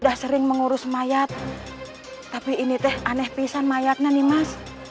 udah sering mengurus mayat tapi ini teh aneh pisan mayatnya nih mas